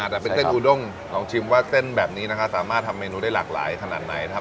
แต่เป็นเส้นอูด้งลองชิมว่าเส้นแบบนี้นะคะสามารถทำเมนูได้หลากหลายขนาดไหนนะครับ